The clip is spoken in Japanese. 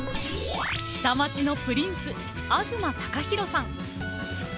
下町のプリンス東貴博さん。